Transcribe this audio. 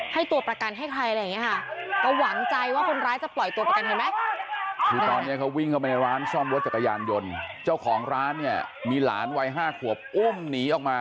ให้ตัวประกันให้ใครอะไรอย่างยังไงคะ